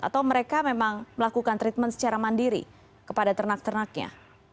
atau mereka memang melakukan treatment secara mandiri kepada ternak ternaknya